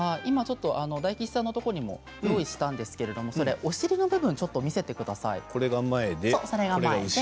大吉さんのところにも用意したんですがそれ、お尻の部分を見せてください。